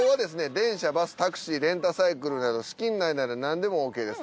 電車バスタクシーレンタサイクルなど資金内ならなんでもオーケーです。